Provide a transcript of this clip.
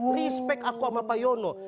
respect aku sama pak yono